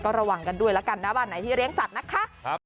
ระวังกันด้วยแล้วกันนะบ้านไหนที่เลี้ยงสัตว์นะคะ